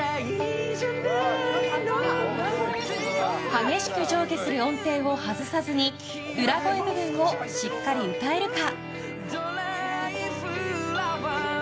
激しく上下する音程を外さずに裏声部分をしっかり歌えるか。